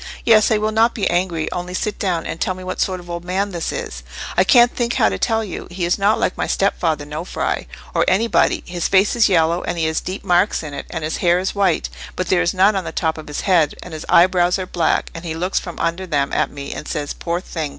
"Yes, I will not be angry—only sit down, and tell me what sort of old man this is." "I can't think how to tell you: he is not like my stepfather Nofri, or anybody. His face is yellow, and he has deep marks in it; and his hair is white, but there is none on the top of his head: and his eyebrows are black, and he looks from under them at me, and says, 'Poor thing!